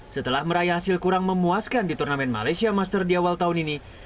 setelah meraih hasil kurang memuaskan di turnamen malaysia master di awal tahun ini